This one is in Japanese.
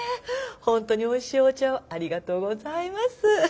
本当においしいお茶をありがとうございます。